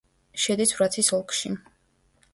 შედის ვრაცის ოლქში.